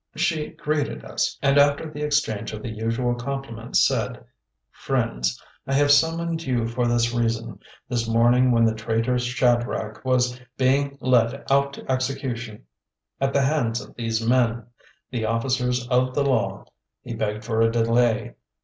She greeted us, and after the exchange of the usual compliments, said: "Friends, I have summoned you for this reason. This morning when the traitor Shadrach was being led out to execution at the hands of these men, the officers of the law, he begged for a delay.